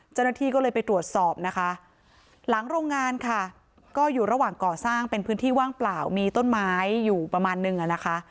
เจ้าหน้าที่ก็เลยไปตรวจสอบนะคะหลังโรงงานค่ะก็อยู่ระหว่างก่อสร้างเป็นพื้นที่ว่างเปล่ามีต้นไม้อยู่ประมาณนึงอะนะคะ